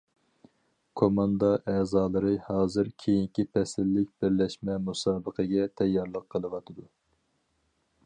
كوماندا ئەزالىرى ھازىر كېيىنكى پەسىللىك بىرلەشمە مۇسابىقىگە تەييارلىق قىلىۋاتىدۇ.